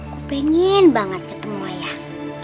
aku pengen banget ketemu ayah